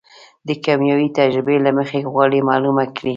د کېمیاوي تجزیې له مخې غواړي معلومه کړي.